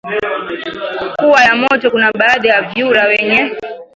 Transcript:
kuwa ya moto Kuna baadhi ya vyura wenye